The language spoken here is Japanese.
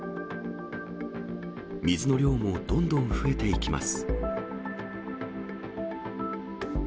水の量もどんどん増えていきます。